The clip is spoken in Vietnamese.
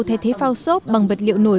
thay thế phao sốt bằng vật liệu nổi